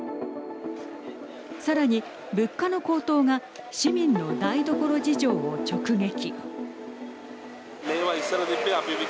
さらに物価の高騰が市民の台所事情を直撃。